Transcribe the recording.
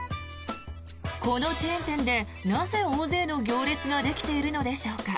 このチェーン店でなぜ大勢の行列ができているのでしょうか。